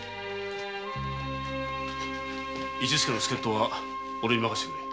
市助の助っ人はオレに任せてくれ。